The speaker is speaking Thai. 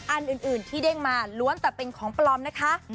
อันอื่นที่เด้งมาล้วนแต่เป็นของปลอมนะคะ